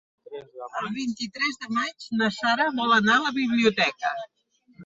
El vint-i-tres de maig na Sara vol anar a la biblioteca.